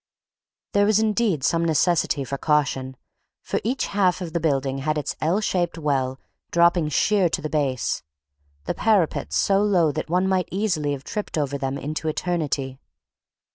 There was indeed some necessity for caution, for each half of the building had its L shaped well dropping sheer to the base, the parapets so low that one might easily have tripped over them into eternity.